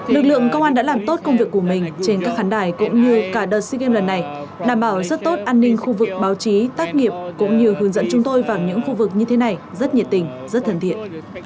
lực lượng công an đã làm tốt công việc của mình trên các khán đài cũng như cả đợt sea games lần này đảm bảo rất tốt an ninh khu vực báo chí tác nghiệp cũng như hướng dẫn chúng tôi vào những khu vực như thế này rất nhiệt tình rất thân thiện